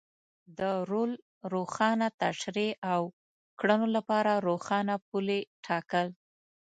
د رول روښانه تشرېح او کړنو لپاره روښانه پولې ټاکل.